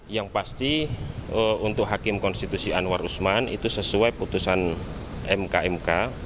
yang pasti untuk hakim konstitusi anwar usman itu sesuai putusan mk mk